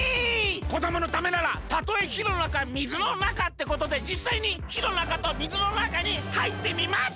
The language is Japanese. こどものためならたとえひのなかみずのなかってことでじっさいにひのなかとみずのなかにはいってみます！